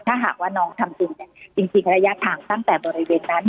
ถ้าหากว่าน้องทำจริงเนี่ยจริงระยะทางตั้งแต่บริเวณนั้น